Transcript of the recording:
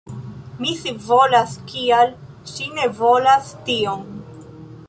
Mi scivolas kial ŝi ne volas tion!